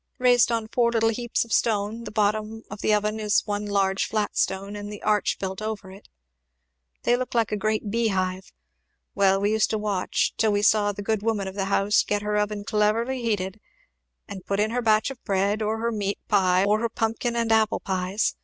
raised on four little heaps of stone; the bottom of the oven is one large flat stone, and the arch built over it; they look like a great bee hive. Well we used to watch till we saw the good woman of the house get her oven cleverly heated, and put in her batch of bread, or her meat pie, or her pumpkin and apple pies!